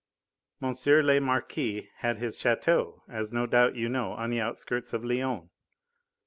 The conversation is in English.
M. le Marquis had his chateau, as no doubt you know, on the outskirts of Lyons.